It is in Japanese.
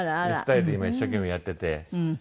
２人で今一生懸命やってて。